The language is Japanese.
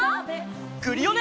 クリオネ！